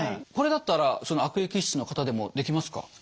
これだったらその悪液質の方でもできますか？